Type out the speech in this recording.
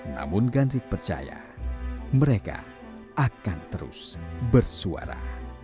namun gandrik percaya mereka akan terus bersuara